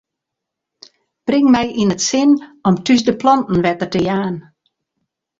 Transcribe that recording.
Bring my yn it sin om thús de planten wetter te jaan.